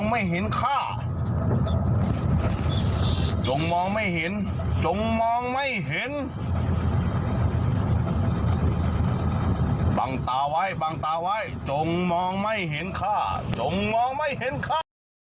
มีคาถานี้ด้วยเหรอเออได้ด้วยเหรอดูคลิปค่ะ